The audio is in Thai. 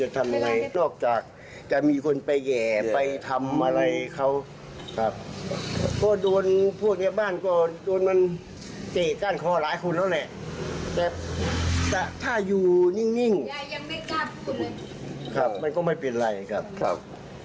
แต่ถ้าอยู่นิ่งมันก็ไม่เป็นไรครับ